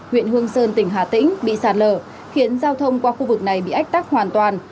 huyện hương sơn tỉnh hà tĩnh bị sạt lở khiến giao thông qua khu vực này bị ách tắc hoàn toàn